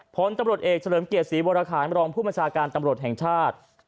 ผลตำรวจเอกเฉลิมเกียรติศรีวรคารรองผู้บัญชาการตำรวจแห่งชาติ